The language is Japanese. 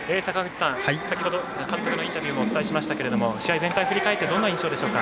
先ほど監督のインタビューもお伝えしましたけど試合全体を振り返ってどんな印象でしょうか？